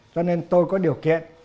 cho nên tôi có điều kiện